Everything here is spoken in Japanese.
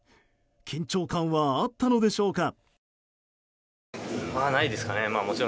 緊張感はあったのでしょうか。